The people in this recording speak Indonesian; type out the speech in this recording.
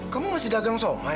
kamu masih dagang somai